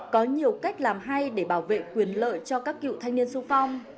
có nhiều cách làm hay để bảo vệ quyền lợi cho các cựu thanh niên sung phong